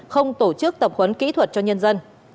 không tổ chức tập huấn kỹ thuật cho nhân dân